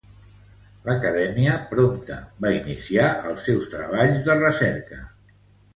L'Acadèmia prompte va iniciar els seus treballs de recerca.